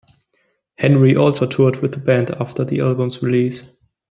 Henry also toured with the band after the album's release.